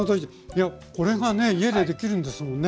いやこれがね家でできるんですもんね。